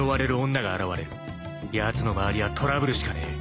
［やつの周りはトラブルしかねえ］